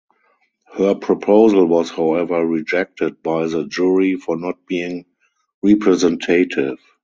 Her proposal was however rejected by the jury for not being representative.